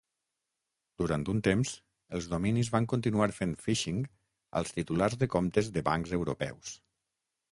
Durant un temps, els dominis van continuar fent phishing als titulars de comptes de bancs europeus.